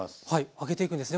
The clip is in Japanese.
揚げていくんですね